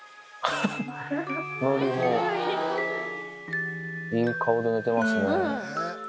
のりも、いい顔で寝てますね。